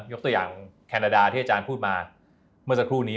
ยกตัวอย่างแคนาดาที่อาจารย์พูดมาเมื่อสักครู่นี้